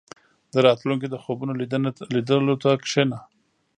• د راتلونکي د خوبونو لیدلو ته کښېنه.